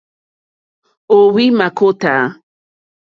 Ò óhwì mâkótá.